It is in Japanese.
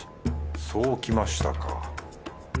そうきましたか